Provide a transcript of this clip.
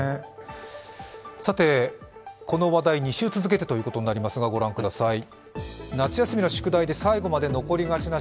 さてこの話題、２週続けてということになりますが、御覧ください。